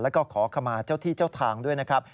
แล้วก็ขอขมาเจ้าที่เจ้าทางด้วยนะครับ